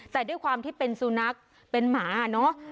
แต่ด้วยความที่เป็นสุนัขเป็นหมาเนอะ